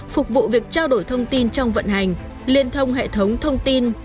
phục vụ việc trao đổi thông tin trong vận hành liên thông hệ thống thông tin